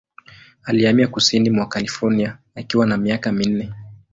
Alihamia kusini mwa California akiwa na miaka minne.